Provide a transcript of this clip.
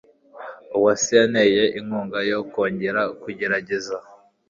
Uwase yanteye inkunga yo kongera kugerageza.